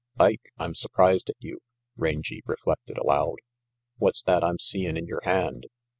"Ike, I'm surprised at you," Rangy reflected aloud. "What's that I'm seein' in your hand?